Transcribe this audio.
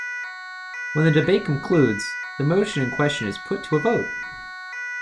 When the debate concludes, the motion in question is put to a vote.